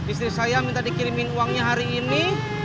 istri saya minta dikirimin uangnya hari ini